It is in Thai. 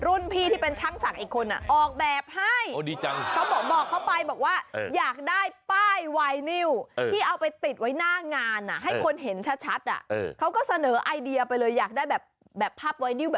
รุ่นพี่ที่เป็นช่างศักดิ์อีกคนอ่ะออกแบบให้